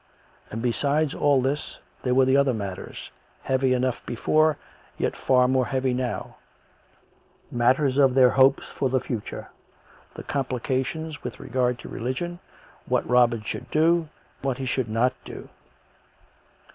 And besides all this there were the other matters, heavy enough before, yet far 64 COME RACK! COME ROPE! more heavy now — matters of their hopes for the future, the complications with regard to the Religion, what Robin should do, what he should not do.